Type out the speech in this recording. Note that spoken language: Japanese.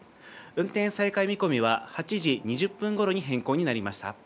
運転再開見込みは８時２０分ごろに変更になりました。